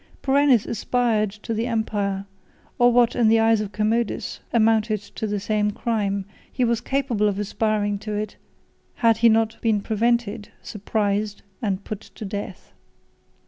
Perennis aspired to the empire; or what, in the eyes of Commodus, amounted to the same crime, he was capable of aspiring to it, had he not been prevented, surprised, and put to death.